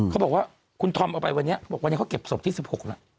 เขาบอกว่าคุณธอมเอาไปวันนี้เขาเก็บศพที่๑๖แล้ว